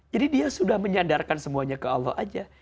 jadi dia sudah menyadarkan semuanya ke allah saja